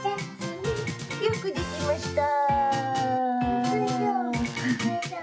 よくできました。